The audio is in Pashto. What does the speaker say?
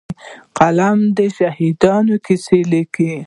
قلم د شهیدانو کیسې لیکي